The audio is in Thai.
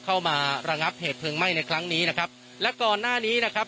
เข้ามาระงับเหตุเพลิงไหม้ในครั้งนี้นะครับและก่อนหน้านี้นะครับ